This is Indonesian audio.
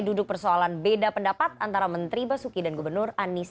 duduk persoalan beda pendapat antara menteri basuki dan gubernur anies